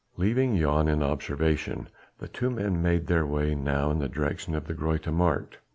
Leaving Jan in observation the two men made their way now in the direction of the Groote Markt.